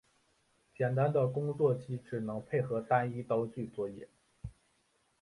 简易的工具机只能配合单一刀具作业。